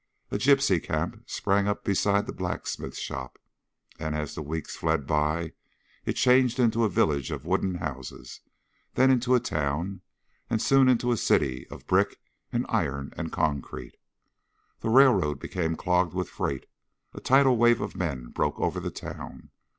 A gypsy camp sprang up beside the blacksmith shop, and as the weeks fled by it changed into a village of wooden houses, then into a town, and soon into a city of brick and iron and concrete. The railroad became clogged with freight, a tidal wave of men broke over the town.